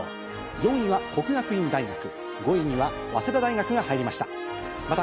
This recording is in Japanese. ４位は國學院大学、５位には早稲田大学が入りました。